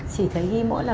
chỉ thấy ghi mỗi là